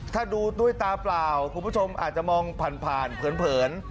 ถ้าดูด้วยตาเปล่าคุณผู้ชมอาจจะมองผ่านเผิน